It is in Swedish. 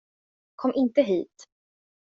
Kom inte hit.